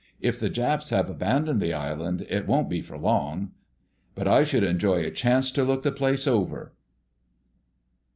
If the Japs have abandoned the island it won't be for long, but I should enjoy a chance to look the place over."